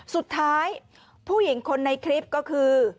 สุดท้ายผู้หญิงคนในคลิปก็คือ